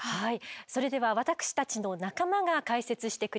それでは私たちの仲間が解説してくれます。